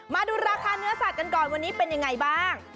มาดูราคาเนื้อสัตว์กันก่อนวันนี้เป็นยังไงบ้าง